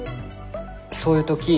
そういう時